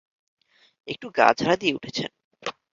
একটু গা ঝাড়া দিয়ে উঠেছেন।